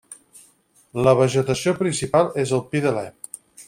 La vegetació principal és el pi d'Alep.